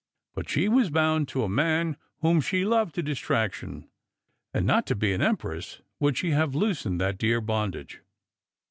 But she was bound to a man whom she loved to distraction, and not to be an empress would she have loosened that dear bondage.